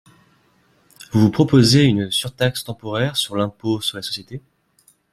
Vous proposez une surtaxe temporaire sur l’impôt sur les sociétés.